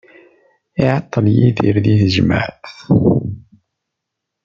Iɛeṭṭel Yidir di tejmaɛt.